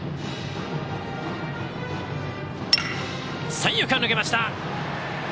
三遊間抜けました！